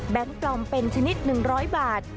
แบงค์ปลอมเป็นชนิด๑๐๐บาท